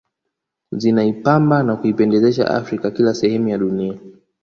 Zinaipamba na kuipendezesha Afrika kila sehemu ya dunia